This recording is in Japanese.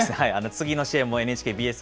次の試合もＮＨＫＢＳ